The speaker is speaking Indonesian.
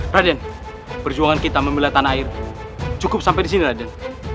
raden perjuangan kita membela tanah air cukup sampai di sini raden